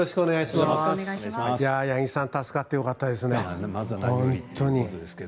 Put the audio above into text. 八木さんは助かってよかったですね、本当に。